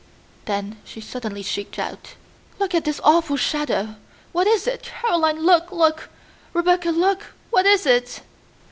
Then suddenly she shrieked out: "Look at this awful shadow! What is it? Caroline, look, look! Rebecca, look! What is it?"